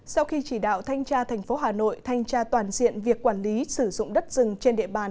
sau khi chỉ đạo thanh tra thành phố hà nội thanh tra toàn diện việc quản lý sử dụng đất rừng trên địa bàn